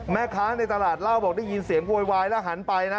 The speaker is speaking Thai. แม่ค้าในตลาดเล่าบอกได้ยินเสียงโวยวายแล้วหันไปนะ